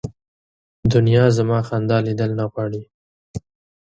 دنیا زما خندا لیدل نه غواړي